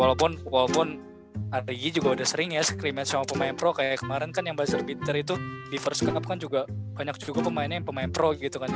hmm walaupun ari gi juga udah sering ya scrimmage sama pemain pro kayak kemarin kan yang buzzer beater itu di first come up kan juga banyak juga pemainnya yang pemain pro gitu kan ya